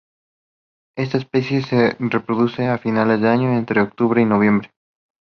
Esta especie se reproduce a finales de año, entre en octubre y noviembre.